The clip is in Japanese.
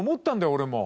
俺も。